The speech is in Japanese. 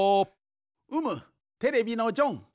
うむテレビのジョン。